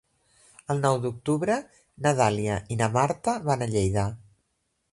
El nou d'octubre na Dàlia i na Marta van a Lleida.